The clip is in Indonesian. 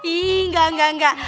ih enggak enggak enggak